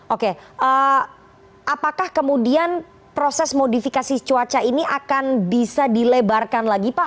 oke apakah kemudian proses modifikasi cuaca ini akan bisa dilebarkan lagi pak